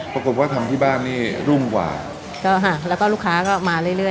ปรากฏว่าทำที่บ้านนี่รุ่มกว่าก็ค่ะแล้วก็ลูกค้าก็มาเรื่อย